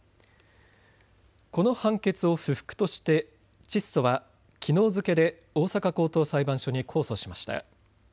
この判決を不服としてチッソはきのう付けで大阪高等裁判所に控訴しました。